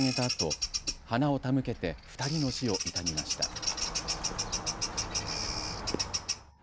あと花を手向けて２人の死を悼みました。